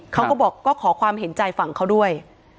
เขาก็บอกก็ขอความเห็นใจฝั่งเขาด้วย